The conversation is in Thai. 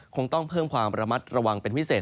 คงต้องเพิ่มความระมัดระวังเป็นพิเศษ